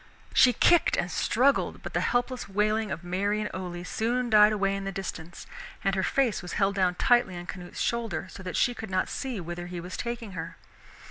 She kicked and struggled, but the helpless wailing of Mary and Ole soon died away in the distance, and her face was held down tightly on Canute's shoulder so that she could not see whither he was taking her.